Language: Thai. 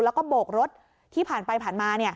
แล้วก็โบกรถที่ผ่านไปผ่านมา